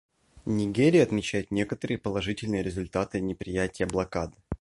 Нигерия отмечает некоторые положительные результаты неприятия блокады.